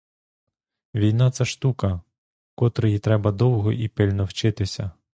Війна це штука, котрої треба довго і пильно вчитися.